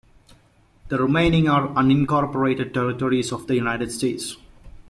The remaining are unincorporated territories of the United States.